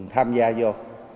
tham gia vô